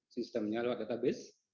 sistemnya luar database